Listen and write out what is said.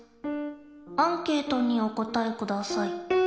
アンケートにおこたえください。